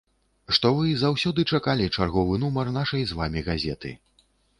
Што вы заўсёды чакалі чарговы нумар нашай з вамі газеты.